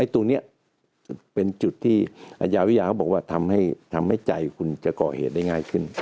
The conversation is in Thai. ตรงนี้เป็นจุดที่อาญาวิทยาเขาบอกว่าทำให้ใจคุณจะก่อเหตุได้ง่ายขึ้น